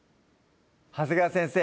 長谷川先生